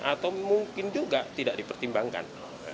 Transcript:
atau mungkin juga tidak dipertimbangkan